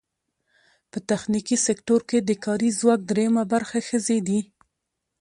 په تخنیکي سکټور کې د کاري ځواک درېیمه برخه ښځې دي.